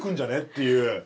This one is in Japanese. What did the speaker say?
っていう。